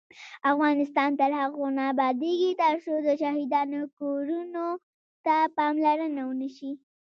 افغانستان تر هغو نه ابادیږي، ترڅو د شهیدانو کورنیو ته پاملرنه ونشي.